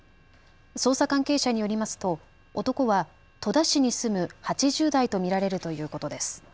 捜査関係者によりますと男は戸田市に住む８０代と見られるということです。